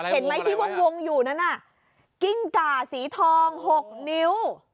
เห็นไหมที่วงอยู่นั้นน่ะกิ้งก่าสีทอง๖นิ้ว